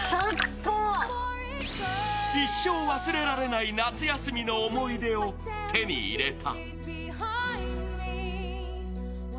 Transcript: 一生忘れられない夏休みの思い出を手に入れた。